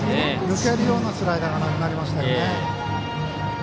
抜けるようなスライダーになりましたよね。